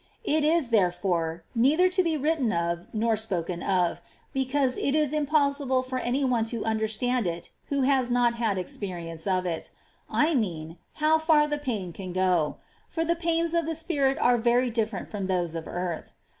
It is, therefore, neither to be written of nor spoken of, because it is impossible for any one to understand it who has not had experience of it, — I mean, how far the pain can go ; for the pains of the spirit are very different fi^om those of earth.